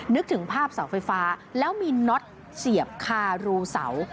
นึกถึงภาพเสาไฟฟ้าแล้วมีน็อตเสียบคารูเสา